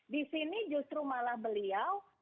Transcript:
di sini justru malah beliau